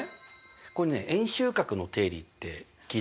これね「円周角の定理」って聞いたことある？